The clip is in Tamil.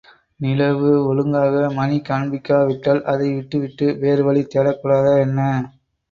நிலவு ஒழுங்காக மணி காண்பிக்காவிட்டால், அதை விட்டு விட்டு வேறு வழி தேடக்கூடாதா என்ன?